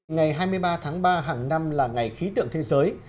ngày hai mươi ba tháng ba hàng năm là ngày khí tượng thế giới